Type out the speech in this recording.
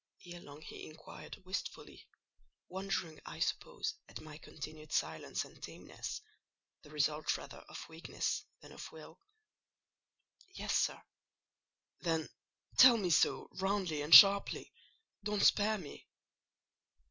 ere long he inquired wistfully—wondering, I suppose, at my continued silence and tameness, the result rather of weakness than of will. "Yes, sir." "Then tell me so roundly and sharply—don't spare me."